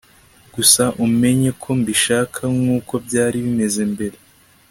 gusa umenye ko mbishaka nkuko byari bimeze mbere